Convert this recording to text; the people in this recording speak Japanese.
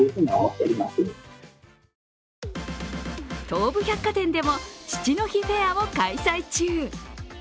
東武百貨店でも父の日フェアを開催中。